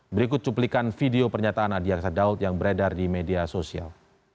berikut cuplikan video pernyataan adi aksadaud yang beredar di media sosial